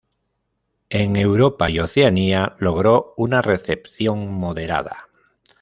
En Europa y Oceanía logró una recepción moderada.